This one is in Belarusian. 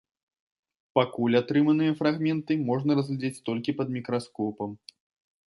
Пакуль атрыманыя фрагменты можна разгледзець толькі пад мікраскопам.